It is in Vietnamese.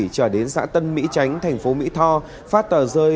trở đến xã tân mỹ chánh thành phố mỹ tho phát tờ rơi